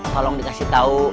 tolong dikasih tahu